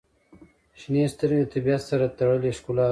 • شنې سترګې د طبیعت سره تړلې ښکلا لري.